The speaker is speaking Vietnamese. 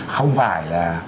không phải là